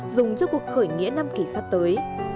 dùng cho cuộc khởi nghĩa năm kỳ sắp tới